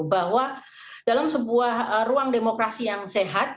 bahwa dalam sebuah ruang demokrasi yang sehat